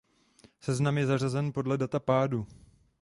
Seznam je řazen podle data pádu.